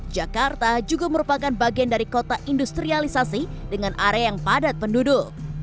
jakarta juga merupakan bagian dari kota industrialisasi dengan area yang padat penduduk